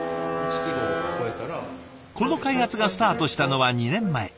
この開発がスタートしたのは２年前。